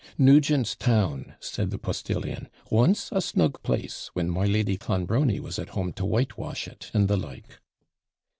'Nugent's town,' said the postillion, 'once a snug place, when my Lady Clonbrony was at home to whitewash it, and the like.'